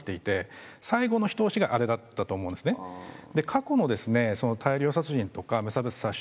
過去の大量殺人とか無差別殺傷